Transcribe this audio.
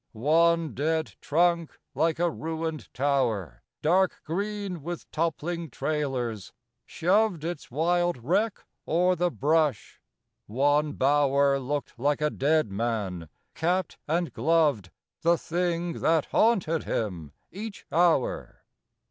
One dead trunk, like a ruined tower, Dark green with toppling trailers, shoved Its wild wreck o'er the brush; one bower Looked like a dead man, capped and gloved, The thing that haunted him each hour.